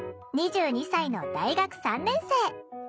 ２２歳の大学３年生。